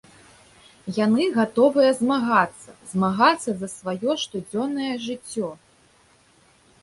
Яны гатовыя змагацца, змагацца за сваё штодзённае жыццё.